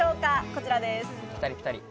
こちらです。